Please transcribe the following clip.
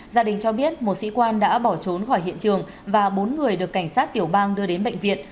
gia đình cho biết một sĩ quan đã bỏ trốn khỏi hiện trường và bốn người được cảnh sát tiểu bang đưa đến bệnh viện